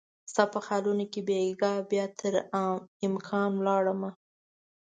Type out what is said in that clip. ستا په خیالونو کې بیګا بیا تر امکان ولاړ مه